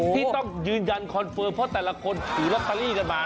ที่ต้องยืนยันคอนเฟิร์มเพราะแต่ละคนถือลอตเตอรี่กันมา